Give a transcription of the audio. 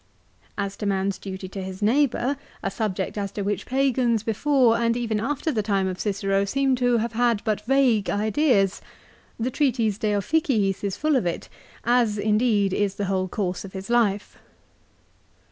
" As to man's duty to his neighbour, a subject as to which Pagans before and even after the time of Cicero seem to have had but vague ideas, the treatise " De Officiis " is full of it, as indeed is the whole course of his life.